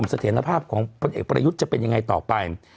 สถินะภาพของพลเอกบริษฐ์จะเป็นยังไงต่อไป